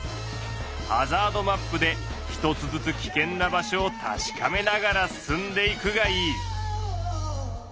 ハザードマップで一つずつ危険な場所をたしかめながら進んでいくがいい！